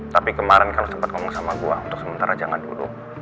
tapi kemarin kan lo sempat ngomong sama gue untuk sementara jangan dulu